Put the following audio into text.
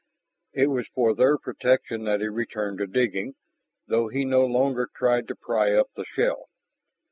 It was for their protection that he returned to digging, though he no longer tried to pry up the shell.